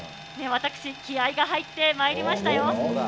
私、気合いが入ってまいりましたよ。